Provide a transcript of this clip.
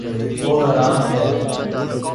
وہ ہرا م ہے